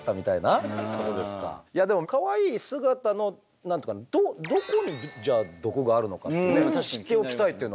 いやでもかわいい姿のどこにじゃあ毒があるのかって知っておきたいっていうのはありますが。